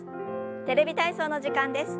「テレビ体操」の時間です。